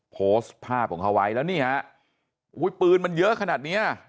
โพสต์ภาพของฮาวัยแล้วนี่ฮะปืนมันเยอะขนาดนี้